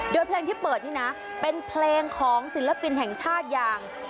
โดยเพลงที่เปิดนี่นะเป็นเพลงของศิลปินแห่งชาติอย่าง